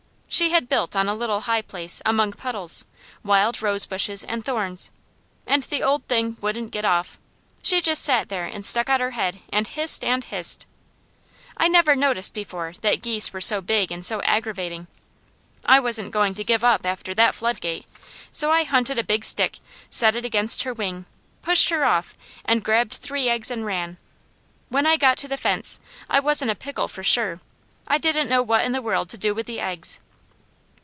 She had built on a little high place, among puddles, wild rose bushes, and thorns, and the old thing wouldn't get off. She just sat there and stuck out her head and hissed and hissed. I never noticed before that geese were so big and so aggravating. I wasn't going to give up, after that floodgate, so I hunted a big stick, set it against her wing, pushed her off and grabbed three eggs and ran. When I got to the fence, I was in a pickle for sure. I didn't know what in the world to do with the eggs.